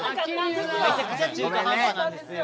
めちゃくちゃ中途半端なんですよ。